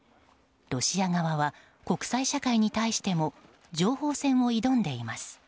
ロシア側は、国際社会に対しても情報戦を挑んでいます。